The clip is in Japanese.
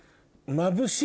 まぶしい。